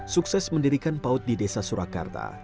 sukses mendirikan paut di desa surakarta